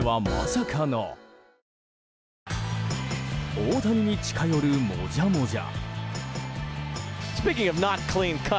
大谷に近寄るもじゃもじゃ。